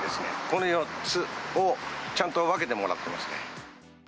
この４つをちゃんと分けてもらってますね。